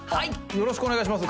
よろしくお願いします。